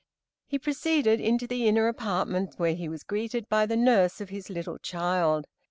He proceeded into the inner apartments, where he was greeted by the nurse of his little child.